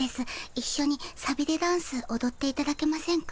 いっしょにさびれダンスおどっていただけませんか？